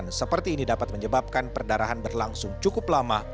kejadian seperti ini dapat menyebabkan perdarahan berlangsung cukup lama